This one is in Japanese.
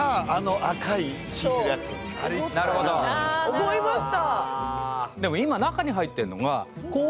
思いました！